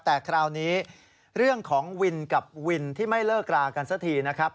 แต่คราวนี้เรื่องของวินกับวินที่ไม่เลิกรากันสักทีนะครับ